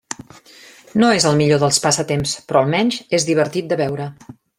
No és el millor dels passatemps… però almenys és divertit de veure.